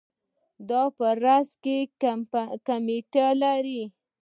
دا په راس کې کمیټې لري.